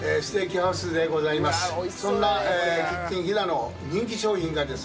そんなキッチン飛騨の人気商品がですね